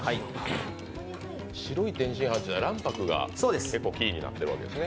白い天津飯には卵白がキーになっているわけですね。